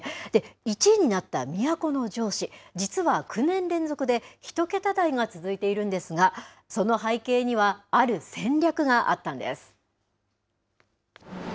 １位になった都城市、実は９年連続で１桁台が続いているんですが、その背景には、ある戦略があったんです。